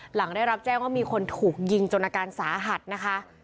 หลังได้รับแจ้งว่ามีคนถูกยิงจนอาการสาหัสนะคะ